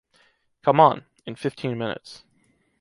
Come on! In fifteen minutes...